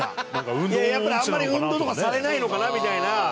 やっぱり、あんまり、運動とかされないのかな、みたいな。